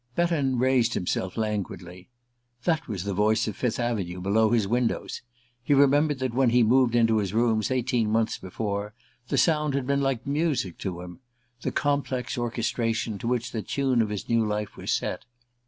Betton raised himself languidly. That was the voice of Fifth Avenue below his windows. He remembered that when he moved into his rooms eighteen months before, the sound had been like music to him: the complex orchestration to which the tune of his new life was set.